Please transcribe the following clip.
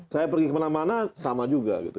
saya pergi kemana mana sama juga gitu